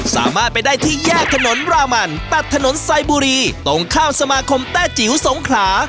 สามารถไปได้ที่แยกถนนรามันตัดถนนไซบุรีตรงข้ามสมาคมแต้จิ๋วสงขลา